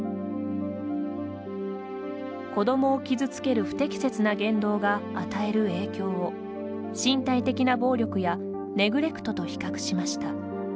子どもを傷つける不適切な言動が与える影響を身体的な暴力やネグレクトと比較しました。